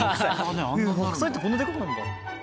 白菜ってこんなでかくなるんだ。